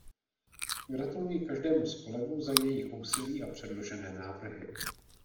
Gratuluji každému z kolegů za jejich úsilí a předložené návrhy.